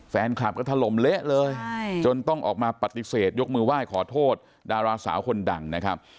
แฟนคลับก็ถล่มเละเลยจนต้องออกมาปฏิเสธยกมือไหว้ขอโทษดาราสาวคนดังนะครับ